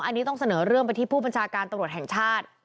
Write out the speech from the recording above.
อันนี้ต้องเสนอเรื่องไปที่ผู้บัญชาการตำรวจแห่งชาติ